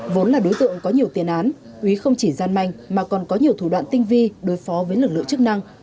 vốn là đối tượng có nhiều tiền án úy không chỉ gian manh mà còn có nhiều thủ đoạn tinh vi đối phó với lực lượng chức năng